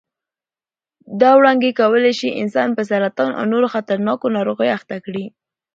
دا وړانګې کولای شي انسان په سرطان او نورو خطرناکو ناروغیو اخته کړي.